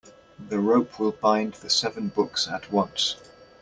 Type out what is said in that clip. The rope will bind the seven books at once.